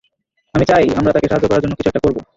আমি চাই, আমরা তাকে সাহায্য করার জন্য কিছু একটা করব।